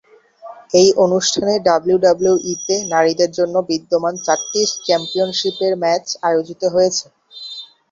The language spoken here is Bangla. এই অনুষ্ঠানে ডাব্লিউডাব্লিউইতে নারীদের জন্য বিদ্যমান চারটি চ্যাম্পিয়নশিপের ম্যাচ আয়োজিত হয়েছে।